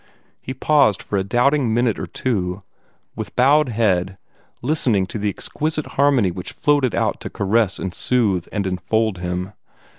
He paused for a doubting minute or two, with bowed head, listening to the exquisite harmony which floated out to caress and soothe and enfold him.